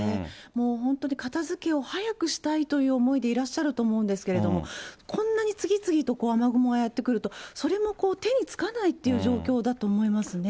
もう本当に片づけを早くしたいという思いでいらっしゃると思うんですけれども、こんなに次々と雨雲がやって来ると、それも手につかないって状況だと思いますね。